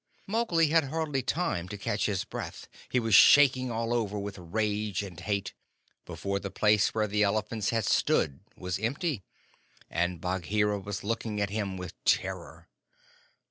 Mowgli had hardly time to catch his breath he was shaking all over with rage and hate before the place where the elephants had stood was empty, and Bagheera was looking at him with terror.